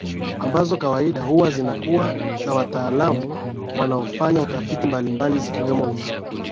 ambazo kwa kawaida huwa zinakuwa na wataalam wanaofanya utafiti mbali mbali zikiwemo hizo